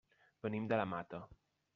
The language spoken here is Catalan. Venim de la Mata.